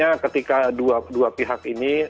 ya kan artinya ketika dua pihak ini